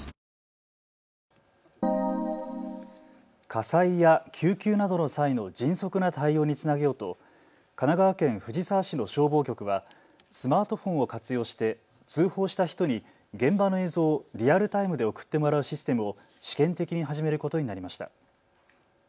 火災や救急などの際の迅速な対応につなげようと神奈川県藤沢市の消防局はスマートフォンを活用して通報した人に現場の映像をリアルタイムで送ってもらうシステムを試験的に始めることになりました。